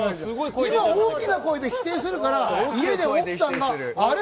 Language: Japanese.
今、大きな声で否定するから家で奥さんがあれ？